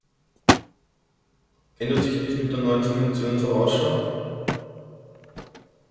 Ändert sich dies mit der neuen Finanziellen Vorausschau?